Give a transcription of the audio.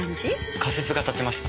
仮説が立ちました。